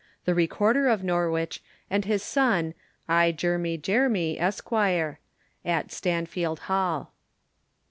the Recorder of Norwich, and his son, I. Jermy Jermy, Esq., AT STANFIELD HALL.